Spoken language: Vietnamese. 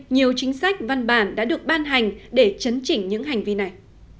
nhiều chính sách văn bản đã được ban hành để chấn chỉnh những hành vi này